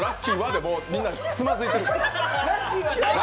で、みんなもうつまずいてるから。